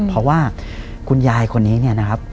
เพราะว่าคุณยายคนนี้เนี่ยนะครับ